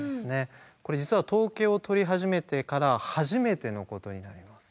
これ実は統計をとり始めてから初めてのことになります。